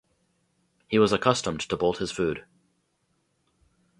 He was accustomed to bolt his food.